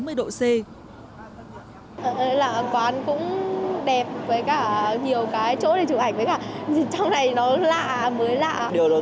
quán cũng đẹp với nhiều chỗ để chụp ảnh